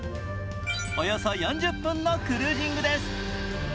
およそ４０分のクルージングです。